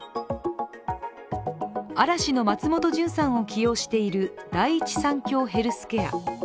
嵐の松本潤さんを起用している第一三共ヘルスケア。